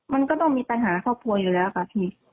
มันก็ต้องมีปัญหาครอบครัวอยู่แล้วค่ะพี่